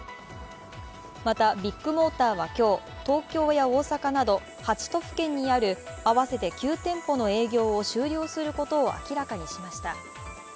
またビッグモーターは今日、東京や大阪など８都府県にある合わせて９店舗の営業を終了することを明らかにしました。